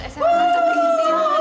eh saya masih terperih ini man